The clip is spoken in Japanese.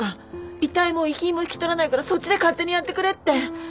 「遺体も遺品も引き取らないからそっちで勝手にやってくれ」って。